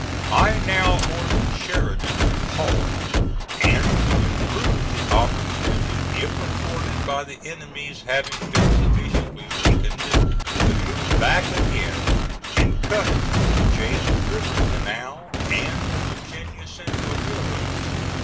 I now ordered Sheridan to halt, and to improve the opportunity if afforded by the enemy's having been sufficiently weakened, to move back again and cut the James River Canal and Virginia Central Railroad.